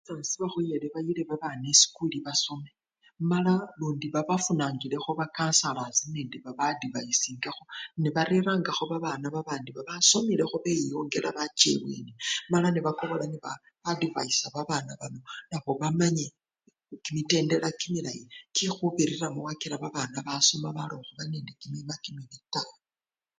Basasi bakhoyele bayile babana esikuli basome mala lundi babafunakilekho bakansala nende baba adivayisindekho nebarerangakho babana babandi babasomilekho beyongela bacha ebweni mala nebakobola neba adivayisya babana bano nabo bamanye kimitendera kimilayi kyekhubiriramo wakila babana basoma baloba khuba nende kimima kimibii taa.